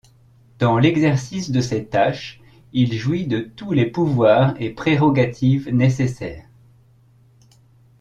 Dans l’exercice de ses tâches, il jouit de tous les pouvoirs et prérogatives nécessaires.